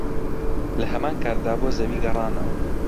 لەهەمانکاتدا بۆ زەوی گەڕانەوە